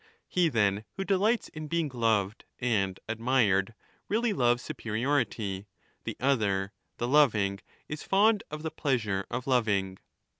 ]^ He, then, who delights in being loved and admired really 30 loves superiority ; the other, the loving, is fond of the pleasure of loving.